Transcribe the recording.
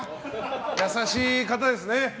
優しい方ですね。